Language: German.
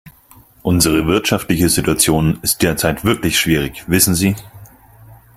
Unsere wirtschaftliche Situation ist derzeit wirklich schwierig, wissen Sie.